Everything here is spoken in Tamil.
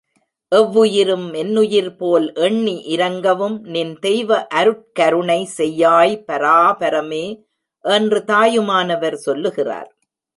எவ்வுயிரும் என்னுயிர்போல் எண்ணி இரங்கவும்நின் தெய்வ அருட்கருணை செய்யாய் பராபரமே என்று தாயுமானவர் சொல்லுகிறார்.